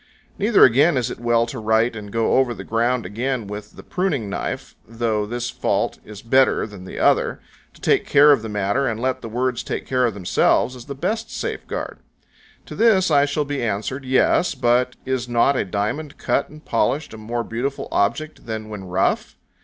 Neither again is it well to write and go over the ground again with the pruning knife, though this fault is better than the other; to take care of the matter, and let the words take care of themselves, is the best safeguard. To this I shall be answered, "Yes, but is not a diamond cut and polished a more beautiful object than when rough?"